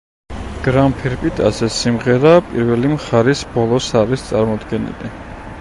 გრამფირფიტაზე სიმღერა პირველი მხარის ბოლოს არის წარმოდგენილი.